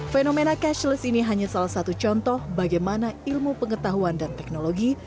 fenomena cashless ini hanya salah satu contoh bagaimana ilmu pengetahuan dan teknologi